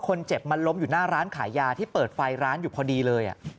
คนเจ็บมันล้มอยู่หน้าร้านขายยาที่เปิดไฟร้านอยู่พอดีเลย